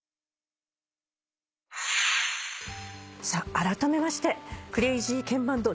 あらためましてクレイジーケンバンド